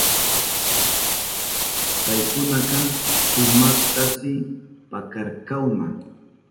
Paykunaka sumaktashi pakarkakuna.